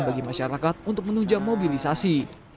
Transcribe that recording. bagi masyarakat untuk menunjang mobilisasi